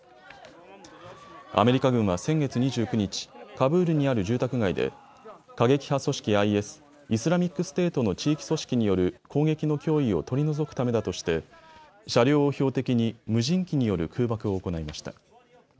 アメリカ軍は先月２９日、カブールにある住宅街で過激派組織ＩＳ・イスラミックステートの地域組織による攻撃の脅威を取り除くためだとして車両を標的に無人機による空爆を行いました。